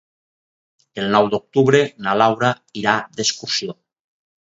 El nou d'octubre na Laura irà d'excursió.